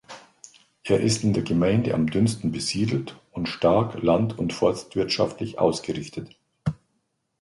Er ist in der Gemeinde am dünnsten besiedelt und stark land- und forstwirtschaftlich ausgerichtet.